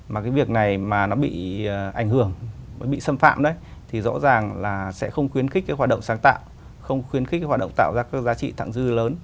mà nó bị ảnh hưởng bị xâm phạm đấy thì rõ ràng là sẽ không khuyến khích cái hoạt động sáng tạo không khuyến khích cái hoạt động tạo ra cái giá trị thẳng dư lớn